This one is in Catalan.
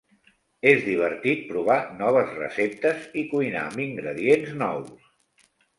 És divertit provar noves receptes i cuinar amb ingredients nous.